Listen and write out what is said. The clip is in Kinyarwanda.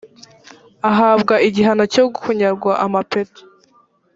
ahabwa igihano cyo kunyagwa amapeti